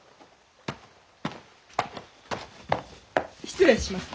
失礼します。